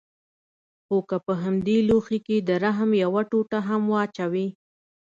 خو که په همدې لوښي کښې د رحم يوه ټوټه هم واچوې.